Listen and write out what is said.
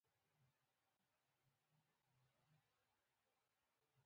په خاوره کې یوازې نیت ارزښت لري.